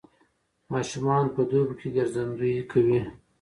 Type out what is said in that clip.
ماشومان په دوبي کې ګرځندويي کوي.